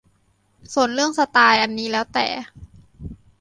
ส่วนเรื่องสไตล์อันนี้แล้วแต่